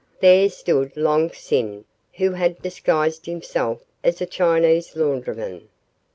There stood Long Sin, who had disguised himself as a Chinese laundryman.